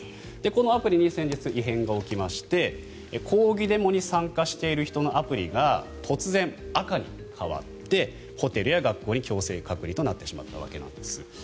このアプリに先日、異変が起きまして抗議デモに参加している人のアプリが突然、赤に変わってホテルや学校に強制隔離となってしまったわけなんです。